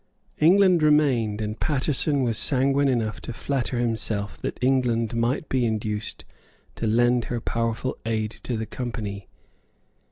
England remained; and Paterson was sanguine enough to flatter himself that England might be induced to lend her powerful aid to the Company.